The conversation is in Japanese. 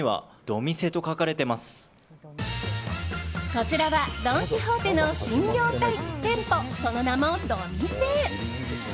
こちらはドン・キホーテの新業態店舗その名も、ドミセ。